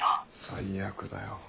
最悪だよ。